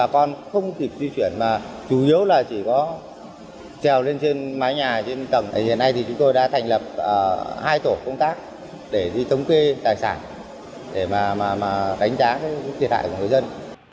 chúng tôi đã thành lập hai tổ công tác để đi thống kê tài sản để đánh giá thiệt hại của người dân